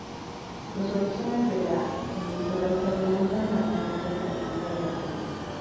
Los orígenes de la emisora se remontan a finales de la Segunda Guerra Mundial.